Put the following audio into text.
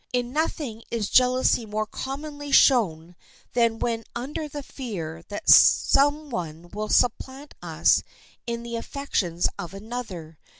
In nothing is jealousy more commonly shown than when under the fear that some one will supplant us in the affections of another.